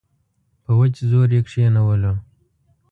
په وچ زور یې کښېنولو.